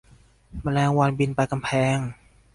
แมลงวันบินไปกำแพง